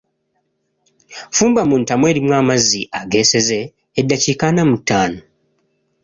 Fumba mu ntamu erimu amazzi ageeseze eddakiika ana mu ttaano.